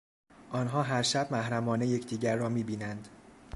آنها هر شب محرمانه یکدیگر را میبینند.